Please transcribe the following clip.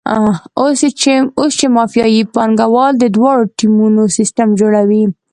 اوس چې مافیایي پانګوال د دواړو ټیمونو سیستم جوړوي.